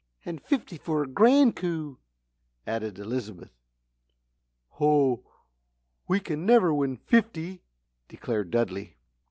"And fifty for a Grand Coup," added Elizabeth. "Hoh, we can never win fifty!" declared Dudley.